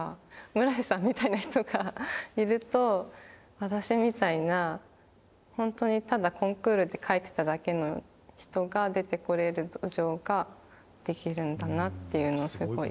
村瀬さんみたいな人がいると私みたいな本当にただコンクールで書いてただけの人が出てこれる土壌ができるんだなっていうのをすごい。